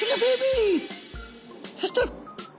そして。